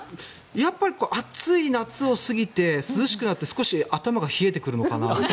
やっぱり暑い夏を過ぎて涼しくなって少し頭が冷えてくるのかなって。